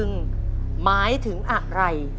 สวัสดีครับ